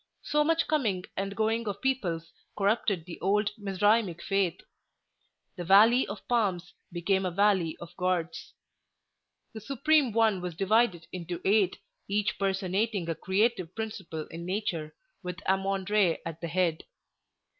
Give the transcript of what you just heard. So much coming and going of peoples corrupted the old Mizraimic faith. The Valley of Palms became a Valley of Gods. The Supreme One was divided into eight, each personating a creative principle in nature, with Ammon Re at the head.